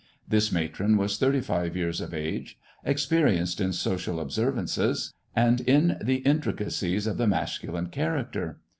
This matron was thirty five years of age, experienced in social observances, and in the intri ca, cies of the masculine character.